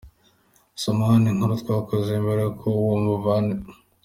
Soma hano inkuru twakoze mbere kuri uwo muvunjayi.